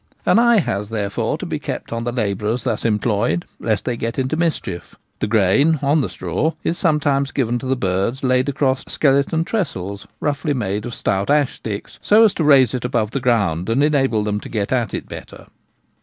An eye has therefore to be kept on the labourers thus employed lest they get into £ 2 5 2 The Gamekeeper at Home. mischief. The grain (on the straw) is sometimes given to the birds laid across skeleton trestles, roughly made of stout ash sticks, so as to raise it above the ground and enable them to get at it better.